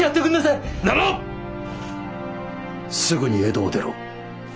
すぐに江戸を出ろ。